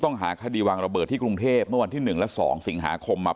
หาคดีวางระเบิดที่กรุงเทพเมื่อวันที่๑และ๒สิงหาคมมา